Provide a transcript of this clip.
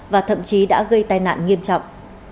và thậm chí đã gây tai nạn nghiêm trọng